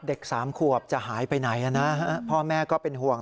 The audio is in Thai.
เด็กสามขวบจะหายไปไหนนะพ่อแม่ก็เป็นห่วง